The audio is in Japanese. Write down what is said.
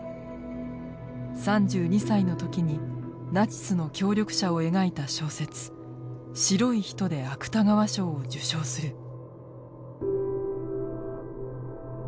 ３２歳の時にナチスの協力者を描いた小説「白い人」で芥川賞を受賞する。